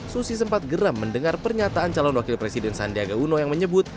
susi sempat geram mendengar pernyataan calon wakil presiden sandiaga uno yang menyebut